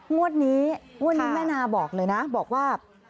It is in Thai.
มวดนี้มันนาบอกเลยนะบอกว่า